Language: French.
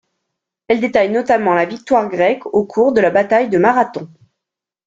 Elle détaille notamment la victoire grecque au cours de la bataille de Marathon.